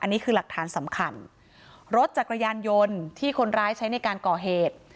อันนี้คือหลักฐานสำคัญรถจักรยานยนต์ที่คนร้ายใช้ในการก่อเหตุ